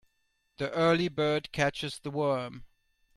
The early bird catches the worm.